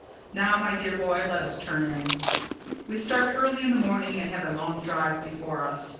Now, my dear boy, let us turn in. We start early in the morning and have a long drive before us.